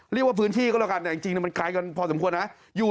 เรียกว่าพื้นที่ก็แล้วกันแต่จริงมันไกลกันพอสมควรนะ